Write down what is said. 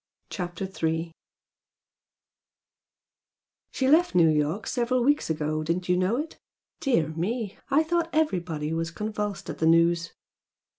CHAPTER III "She left New York several weeks ago, didn't you know it? Dear me! I thought everybody was convulsed at the news!"